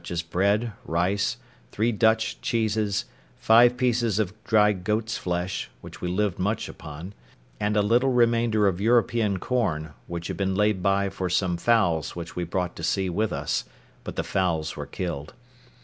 bread, rice, three Dutch cheeses, five pieces of dried goat's flesh (which we lived much upon), and a little remainder of European corn, which had been laid by for some fowls which we brought to sea with us, but the fowls were killed.